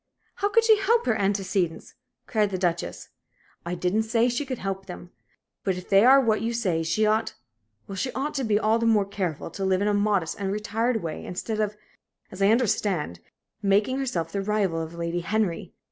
"How could she help her antecedents?" cried the Duchess. "I didn't say she could help them. But if they are what you say, she ought well, she ought to be all the more careful to live in a modest and retired way, instead of, as I understand, making herself the rival of Lady Henry.